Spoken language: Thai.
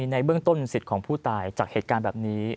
ในเบื้องต้นสิทธิ์ของผู้ตายจากเหตุการณ์แบบนี้